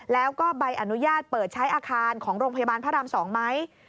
แล้วก็ใบอนุญาตเปิดใช้อาคารของโรงพยาบาลพระราม๒ไหม